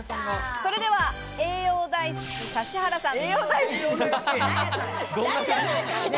それでは栄養大好きな指原さん。